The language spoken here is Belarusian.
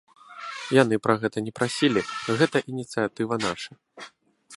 Яны пра гэта не прасілі, гэта ініцыятыва наша.